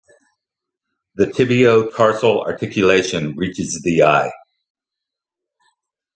The tibio-tarsal articulation reaches the eye.